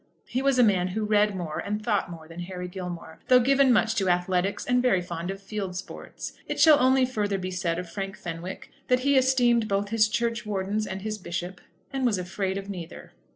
He was a man who read more and thought more than Harry Gilmore, though given much to athletics and very fond of field sports. It shall only further be said of Frank Fenwick that he esteemed both his churchwardens and his bishop, and was afraid of neither.